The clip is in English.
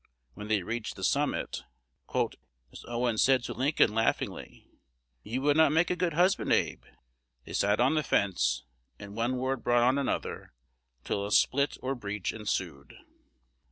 When they reached the summit, "Miss Owens said to Lincoln laughingly, 'You would not make a good husband. Abe.' They sat on the fence; and one word brought on another, till a split or breach ensued."